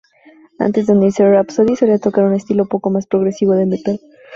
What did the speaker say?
Antes de unirse Rhapsody, solía tocar un estilo un poco más progresivo de metal.